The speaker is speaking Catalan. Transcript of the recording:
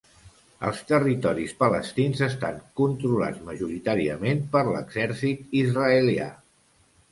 Els territoris palestins estan controlats majoritàriament per l'exèrcit israelià.